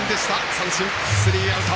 三振、スリーアウト。